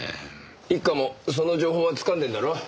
一課もその情報はつかんでんだろ？